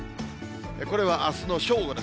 これはあすの正午です。